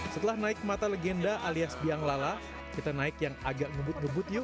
setelah naik mata legenda alias biang lala kita naik yang agak ngebut ngebut yuk